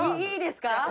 いいですか？